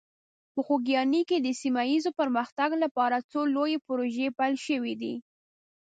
په خوږیاڼي کې د سیمه ایز پرمختګ لپاره څو لویې پروژې پیل شوي دي.